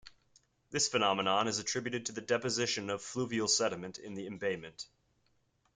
This phenomenon is attributed to the deposition of fluvial sediment in the embayment.